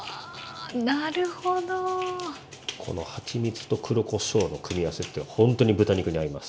このはちみつと黒こしょうの組み合わせって本当に豚肉に合います。